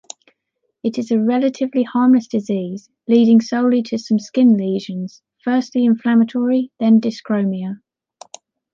It is a relatively harmless disease, leading solely to some skin lesions, firstly inflammatory, then dyschromia.